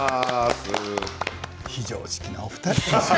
非常識なお二人。